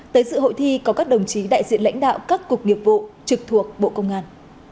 tới sự hội thi có các đồng chí đại diện lãnh đạo các cục nghiệp vụ trực thuộc bộ công an